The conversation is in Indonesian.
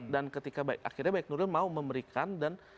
dan ketika baik nuril mau memberikan